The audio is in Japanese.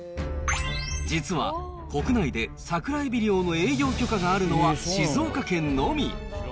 実は、国内で桜エビ漁の営業許可があるのは、静岡県のみ。